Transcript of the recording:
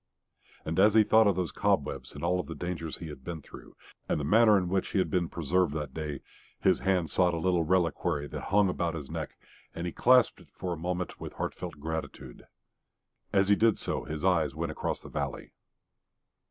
And as he thought of those cobwebs and of all the dangers he had been through, and the manner in which he had been preserved that day, his hand sought a little reliquary that hung about his neck, and he clasped it for a moment with heartfelt gratitude. As he did so his eyes went across the valley.